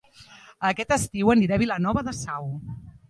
Aquest estiu aniré a Vilanova de Sau